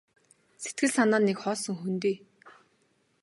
Сэтгэл санаа нь нэг хоосон хөндий.